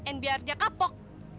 dan biar dia kapok